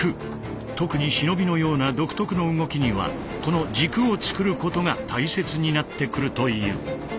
特に忍びのような独特の動きにはこの軸を作ることが大切になってくるという。